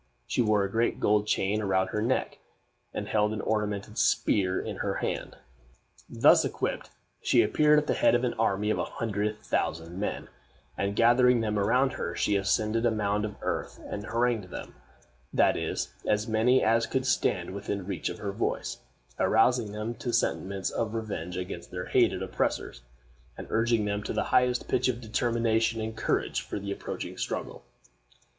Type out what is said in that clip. She wore a great gold chain about her neck, and held an ornamented spear in her hand. Thus equipped, she appeared at the head of an army of a hundred thousand men, and gathering them around her, she ascended a mound of earth and harangued them that is, as many as could stand within reach of her voice arousing them to sentiments of revenge against their hated oppressors, and urging them to the highest pitch of determination and courage for the approaching struggle.